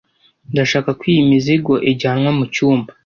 Ndashaka ko iyi mizigo ijyanwa mucyumba